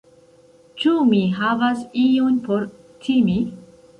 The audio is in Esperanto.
Ĉu mi havas ion por timi?